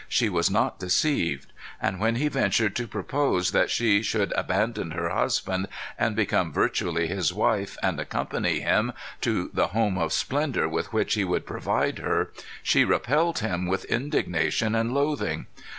She was not deceived. And when he ventured to propose that she should abandon her husband, and become virtually his wife, and accompany him to the home of splendor with which he would provide her, she repelled him with indignation and loathing.